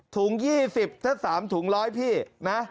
ถุง๒๐ถ้า๓ถุง๑๐๐พี่นะ